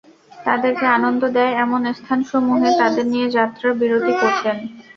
তাদেরকে আনন্দ দেয় এমন স্থানসমূহে তাঁদের নিয়ে যাত্রা বিরতি করতেন।